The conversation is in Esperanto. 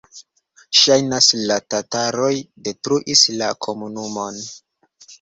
Ŝajnas, la tataroj detruis la komunumon.